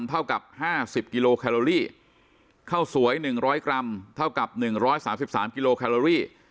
เท่ากับ๕๐กิโลแคโลลี่ข้าวสวย๑๐๐กรัมเท่ากับ๑๓๓กิโลแคลอรี่